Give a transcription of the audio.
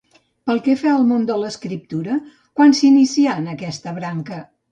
Pel que fa al món de l'escriptura, quan s'inicià en aquesta branca?